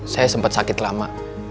saya sempet sakit lama